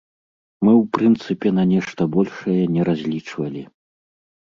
Мы ў прынцыпе на нешта большае не разлічвалі.